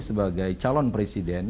sebagai calon presiden